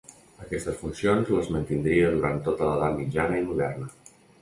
Aquestes funcions les mantindria durant tota l'Edat Mitjana i Moderna.